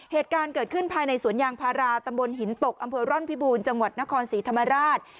เหตุการณ์เกิดขึ้นภายในสวนยางพาราตำบลหินตกอำเภอร่อนพิบูรณ์จังหวัดนครศรีธรรมราช